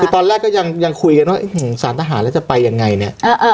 คือตอนแรกก็ยังคุยกันว่าสารทหารแล้วจะไปยังไงเนี่ย